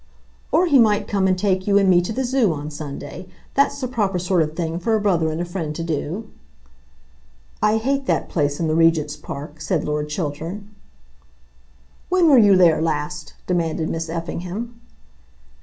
"Or he might come and take you and me to the Zoo on Sunday. That's the proper sort of thing for a brother and a friend to do." "I hate that place in the Regent's Park," said Lord Chiltern. "When were you there last?" demanded Miss Effingham.